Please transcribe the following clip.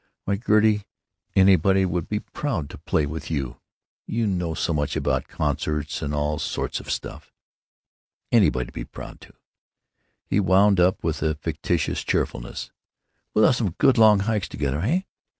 Why, Gertie, anybody would be proud to play with you. You know so much about concerts and all sorts of stuff. Anybody'd be proud to!" He wound up with a fictitious cheerfulness. "We'll have some good long hikes together, heh?...